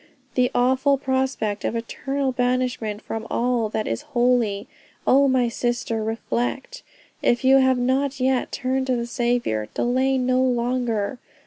The awful prospect of eternal banishment from all that is holy, oh my sister, reflect.... If you have not yet turned to the Saviour, delay no longer....